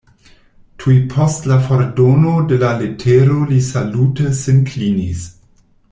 Tuj post la fordono de la letero li salute sin klinis.